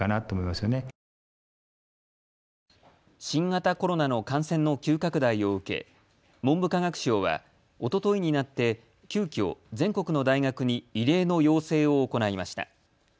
新型コロナの感染の急拡大を受け文部科学省はおとといになって急きょ、全国の大学に異例の要請を行いました。